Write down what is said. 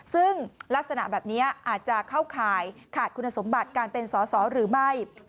ซึ่งลักษณะแบบนี้อาจจะเข้าข่ายขาดคุณสมบัติการเป็นสอสอหรือไม่